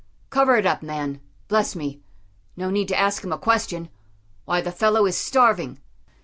"Cover it up, man bless me no need to ask him a question. Why, the fellow is starving."